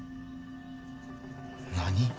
何！？